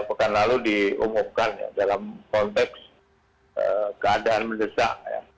pekan lalu diumumkan dalam konteks keadaan mendesak